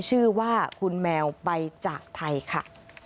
ชื่อว่าคุณแมวไปจากไทยค่ะ